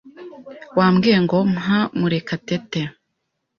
Wambwiye ngo mpa Murekatete.